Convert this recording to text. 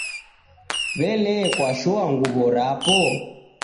W'ele kwashoa nguw'o rapo?